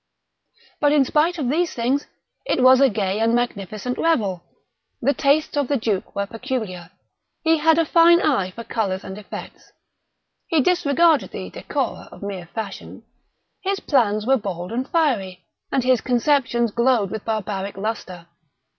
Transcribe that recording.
But, in spite of these things, it was a gay and magnificent revel. The tastes of the duke were peculiar. He had a fine eye for colors and effects. He disregarded the decora of mere fashion. His plans were bold and fiery, and his conceptions glowed with barbaric lustre.